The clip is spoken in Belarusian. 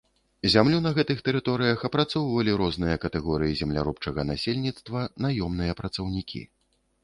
Зямлю на гэтых тэрыторыях апрацоўвалі розныя катэгорыі земляробчага насельніцтва, наёмныя працаўнікі.